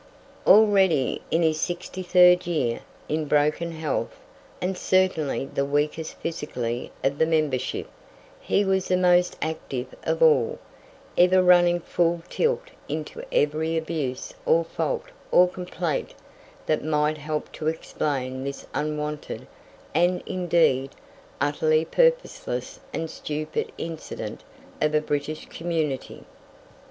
Already in his 63rd year, in broken health, and certainly the weakest physically of the membership, he was the most active of all, ever running full tilt into every abuse or fault or complaint that might help to explain this unwonted, and, indeed, utterly purposeless and stupid incident of a British community.